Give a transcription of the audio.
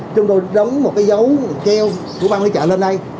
chúng tôi đóng một cái dấu kêu của ban quán lý chợ lên đây